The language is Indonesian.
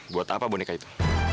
buat apa boneka itu